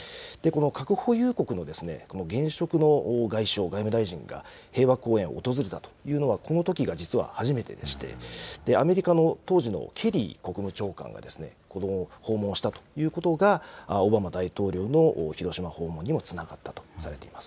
核保有国の現職の外相、外務大臣が平和公園を訪れたというのは、このときが実は初めてでして、アメリカの当時のケリー国務長官が訪問したということが、オバマ大統領の広島訪問にもつながったとされています。